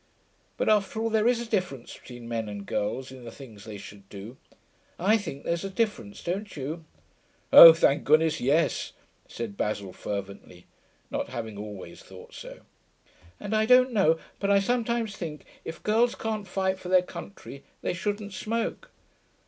But after all, there is a difference between men and girls, in the things they should do; I think there's a difference, don't you?' 'Oh, thank goodness, yes,' said Basil, fervently, not having always thought so. 'And I don't know, but I sometimes think if girls can't fight for their country, they shouldn't smoke.'